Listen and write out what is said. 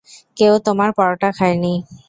কেউ তোমার পরটা খায় নি!